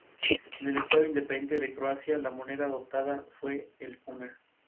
En el Estado Independiente de Croacia, la moneda adoptada fue el kuna.